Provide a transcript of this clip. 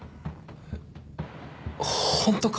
えっホントか？